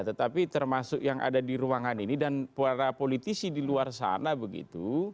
tetapi termasuk yang ada di ruangan ini dan para politisi di luar sana begitu